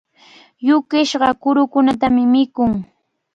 Yukishqa kurukunatami mikun.